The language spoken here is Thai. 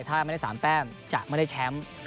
ถ้าไม่ได้๓แต้มจะไม่ได้แชมป์